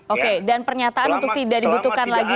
oke dan pernyataan untuk tidak dibutuhkan lagi